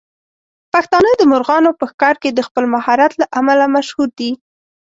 پښتانه د مرغانو په ښکار کې د خپل مهارت له امله مشهور دي.